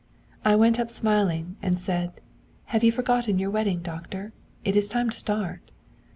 'I went up smiling, and said: "Have you forgotten your wedding, doctor? It is time to start."